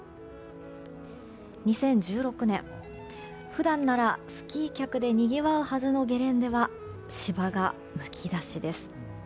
２０１６年、普段ならスキー客でにぎわうはずのゲレンデは芝がむき出しです。